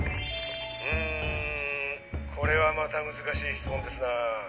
んこれはまた難しい質問ですな。